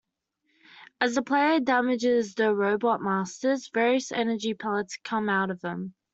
As the player damages the Robot Masters, various energy pellets come out of them.